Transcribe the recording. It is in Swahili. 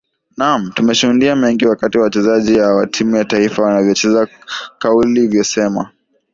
naam tumeshudia mengi wakati wachezaji aa wa timu ya taifa wanavyocheza kaulivyosema